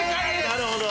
なるほど！